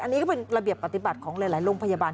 อันนี้ก็เป็นระเบียบปฏิบัติของหลายโรงพยาบาล